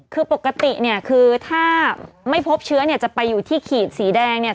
คือปกติเนี่ยคือถ้าไม่พบเชื้อเนี่ยจะไปอยู่ที่ขีดสีแดงเนี่ย